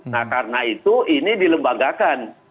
nah karena itu ini dilembagakan